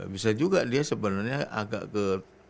bisa juga dia sebenarnya agak ke